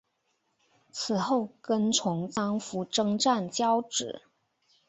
此后跟从张辅征战交址。